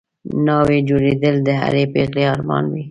ناوې جوړېدل د هرې پېغلې ارمان وي